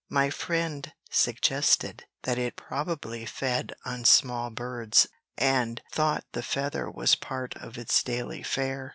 My friend suggested that it probably fed on small birds and thought the feather was part of its daily fare.